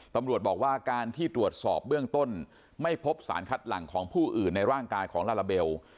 ตำรวจบอกว่าการที่ตรวจสอบเบื้องต้นไม่พบสารคัดหลังของผู้อื่นในร่างกายของลาลาเบล